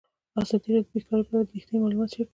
ازادي راډیو د بیکاري په اړه رښتیني معلومات شریک کړي.